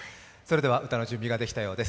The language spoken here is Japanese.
歌の準備ができたようです。